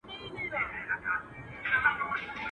هم هوښيار وو هم عادل پر خلكو گران وو !.